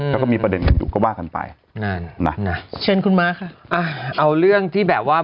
แล้วก็มีประเด็นกันอยู่ก็ว่ากันไปนั่นน่ะนะเชิญคุณม้าค่ะอ่าเอาเรื่องที่แบบว่า